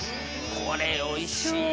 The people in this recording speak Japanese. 「これおいしいよ」